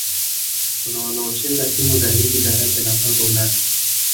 Kuna wanaocheza timu za Ligi Daraja la Kwanza Ulaya